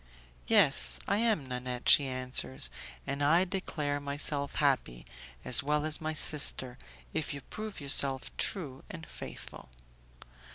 "Yes, I am Nanette," she answers; "and I declare myself happy, as well as my sister, if you prove yourself true and faithful."